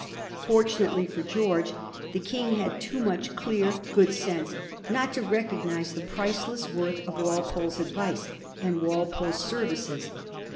Fortunately for George, the King had too much clear, robust good sense not to re cognise the priceless worth of Walpole's advice and Walpole's services.